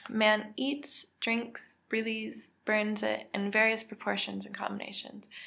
_ Man eats, drinks, breathes, and burns it, in various proportions and combinations.